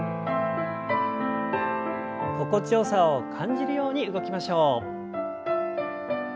心地よさを感じるように動きましょう。